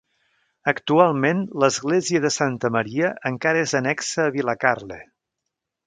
Actualment l'església de Santa Maria encara és annexa a Vilacarle.